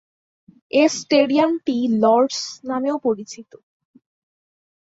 এ স্টেডিয়ামটি লর্ড’স নামেও পরিচিত।